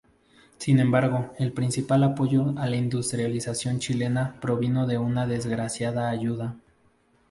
Sin embargo, el principal apoyo a la industrialización chilena provino de una desgraciada ayuda.